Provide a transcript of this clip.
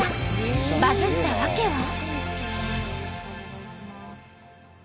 バズった訳は。